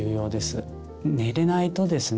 寝れないとですね